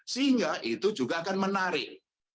sehingga itu juga akan menarik